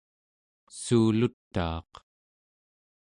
suulutaaq